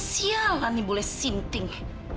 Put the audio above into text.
sialan ini boleh sinting